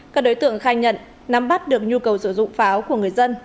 các đối tượng khai nhận nắm bắt được nhu cầu sử dụng pháo của người dân